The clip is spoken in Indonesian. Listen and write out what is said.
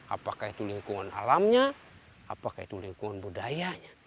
apakah itu lingkungan alamnya apakah itu lingkungan budayanya